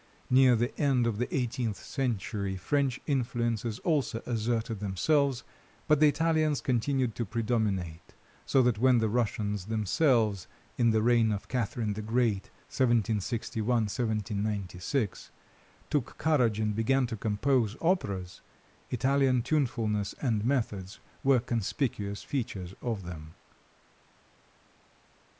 Near the end of the eighteenth century French influences also asserted themselves, but the Italians continued to predominate, so that when the Russians themselves in the reign of Catherine the Great (1761 1796) took courage and began to compose operas, Italian tunefulness and methods were conspicuous features of them.